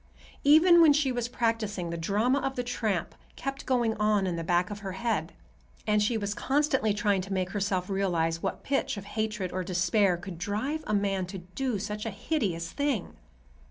Even when she was practicing, the drama of the tramp kept going on in the back of her head, and she was constantly trying to make herself realize what pitch of hatred or despair could drive a man to do such a hideous thing.